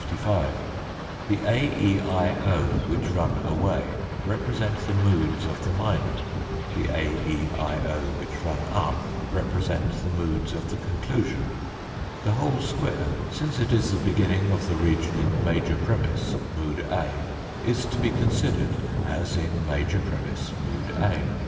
The A, E, I, o, which run away represent the moods of the minor, the A, E, I, o, which run up represent the moods of the conclusion. The whole square, since it is the beginning of the region in the major premiss, mood A, is to be considered as in major premiss, mood A.